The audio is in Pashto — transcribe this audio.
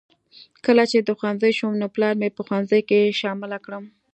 کله چې د ښوونځي شوم نو پلار مې په ښوونځي کې شامله کړم